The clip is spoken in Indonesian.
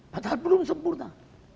padahal belum sempurna